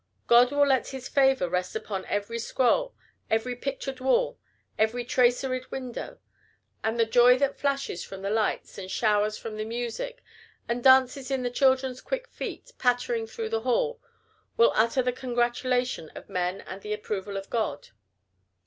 God will let his favor rest upon every scroll, every pictured wall, every traceried window; and the joy that flashes from the lights, and showers from the music, and dances in the children's quick feet, pattering through the hall, will utter the congratulation of men and the approval of God.